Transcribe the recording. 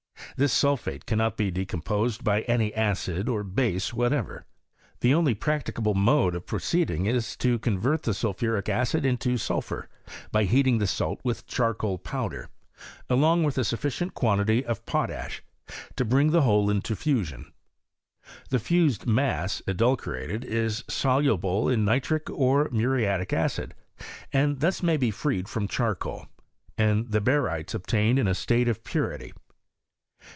This sulphate can not be decomposed by any acid or base whatever. The only practicable mode of proceeding is to con vert the sulphuric acid into sulphur, by heating the salt with charcoal powder, along with a sufiicieiit quantity of potash, to bring the whole into fiisioil. The fused mass, edulcorated, is soluble in nitric or muriatic acid, and thus may be freed from charcoal, and the barytes obtained in a state of. purity.